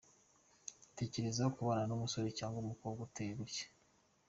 Tekereza kubana n’umusore cyangwa umukobwa uteye gutya.